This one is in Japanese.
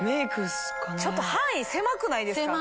ちょっと範囲狭くないですか？